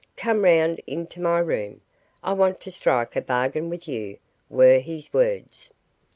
Come round into my room. I want to strike a bargain with you," were his words.